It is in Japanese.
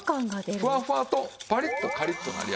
ふわふわとパリッとカリッとなりやすい。